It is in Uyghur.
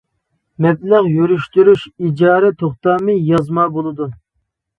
مەبلەغ يۈرۈشتۈرۈش ئىجارە توختامى يازما بولىدۇ.